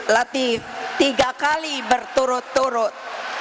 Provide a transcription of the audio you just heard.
latih tiga kali berturut turut